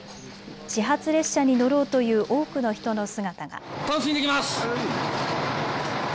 始発列車に乗ろうという多くの人の姿が。